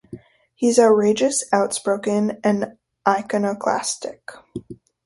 He's outrageous, outspoken and iconoclastic.